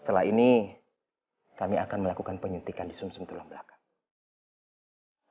setelah ini kami akan melakukan penyuntikan di sum sum tulang belakang